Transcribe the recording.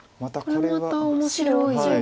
これまた面白い。